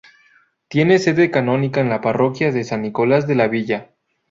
Tiene sede canónica en la parroquia de San Nicolás de la Villa.